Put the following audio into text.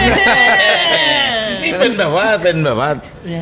นี่เป็นแบบว่าเป็นแบบว่า